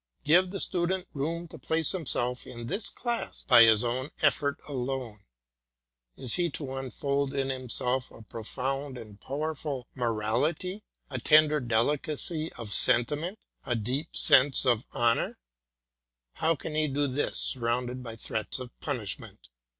Give the Student room to place himself in this class by his own effort alone. Is he to unfold in himself a profound and powerful morality, a ten der delicacy of sentiment, a deep sense of honour \ How can he do this surrounded by threats of punishment?